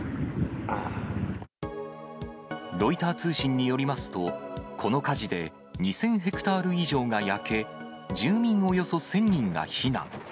ロイター通信によりますと、この火事で２０００ヘクタール以上が焼け、住民およそ１０００人が避難。